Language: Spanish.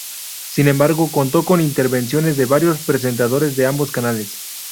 Sin embargo contó con intervenciones de varios presentadores de ambos canales.